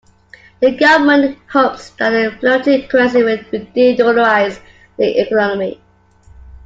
The government hopes that a floating currency will "de-dollarize" the economy.